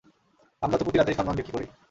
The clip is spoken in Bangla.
আমরা তো প্রতি রাতেই সম্মান বিক্রি করি।